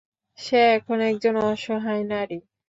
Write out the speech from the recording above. সে এখন একজন অসহায় নারী।